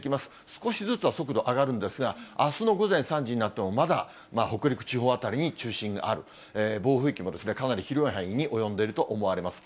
少しずつは速度上がるんですが、あすの午前３時になっても、まだ北陸地方辺りに中心がある、暴風域もかなり広い範囲に及んでいると思われます。